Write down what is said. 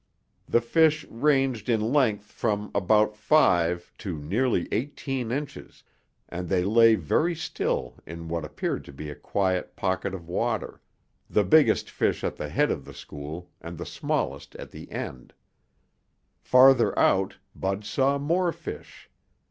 The fish ranged in length from about five to nearly eighteen inches, and they lay very still in what appeared to be a quiet pocket of water, the biggest fish at the head of the school and the smallest at the end. Farther out, Bud saw more fish.